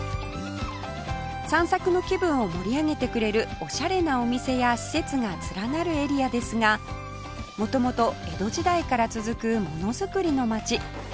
散策の気分を盛り上げてくれるオシャレなお店や施設が連なるエリアですが元々江戸時代から続くものづくりの街